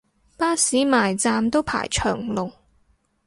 巴士埋站都排長龍